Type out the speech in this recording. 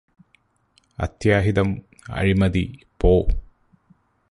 അത്യാഹിതം അഴിമതി പോ